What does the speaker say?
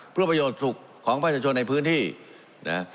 เพื่อประโยชน์สุขของประชาชนในพื้นที่นะ